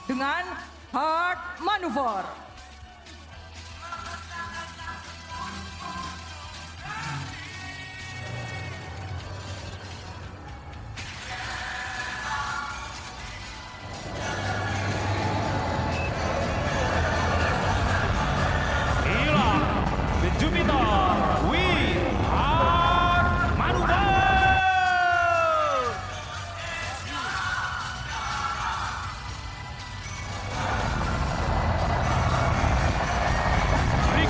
empat pesawat akan menampilkan tarian yang kompak